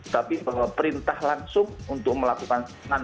tapi bahwa perintah langsung untuk melakukan